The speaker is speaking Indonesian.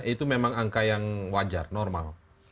itu memang angka yang wajar normal